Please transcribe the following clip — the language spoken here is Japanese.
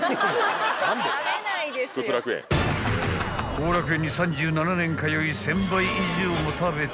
［幸楽苑に３７年通い１，０００杯以上も食べた］